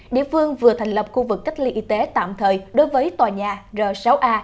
địa phương vừa thành lập khu vực cách ly y tế tạm thời đối với tòa nhà r sáu a